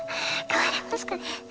変われますかね？